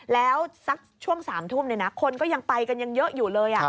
แล้วสักช่วง๓ทุ่มคนก็ยังไปกันยังเยอะอยู่เลย